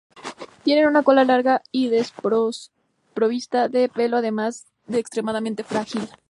Tienen una cola larga y desprovista de pelo, además de extremadamente frágil.